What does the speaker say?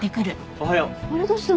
おはよう。